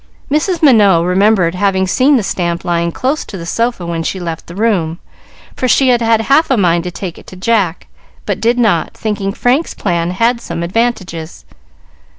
Mrs. Minot remembered having seen the stamp lying close to the sofa when she left the room, for she had had half a mind to take it to Jack, but did not, thinking Frank's plan had some advantages.